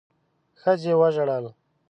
ښځې وژړل.